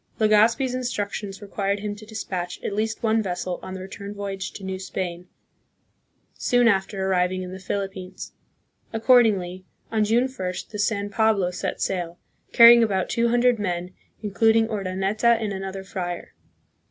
Legazpi's instructions required him to dispatch at least one vessel on the return voyage to New Spain soon after CONQUEST AND SETTLEMENT, 1565 1600. 131 arriving in the Philippines. Accordingly on June 1st the " San Pablo " set sail, carrying about two hundred men, including Urdaneta and another friar.